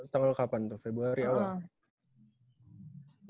tengah lu kapan tuh februari awal